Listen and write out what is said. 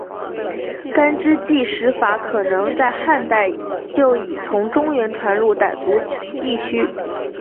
干支纪时法可能在汉代就已从中原传入傣族地区。